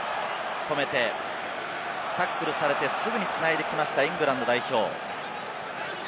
止めて、タックルされて、すぐに繋いできましたイングランド代表。